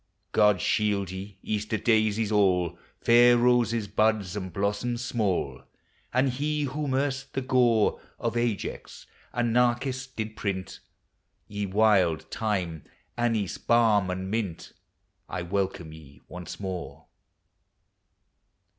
God shield ye, Easter daisies all. Fair roses, buds, and blossoms small, And he whom erst the gore Of Ajax and Narciss did print, Ye wild thyme, anise, balm, and mint, I welcome ye once more